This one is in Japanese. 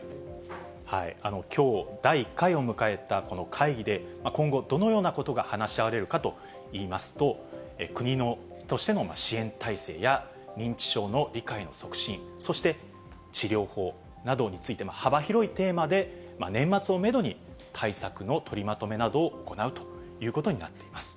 きょう、第１回を迎えたこの会議で、今後、どのようなことが話し合われるかといいますと、国としての支援体制や、認知症の理解の促進、そして、治療法などについて、幅広いテーマで年末をメドに、対策の取りまとめなどを行うということになっています。